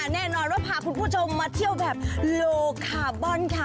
แน่นอนว่าพาคุณผู้ชมมาเที่ยวแบบโลคาร์บอนค่ะ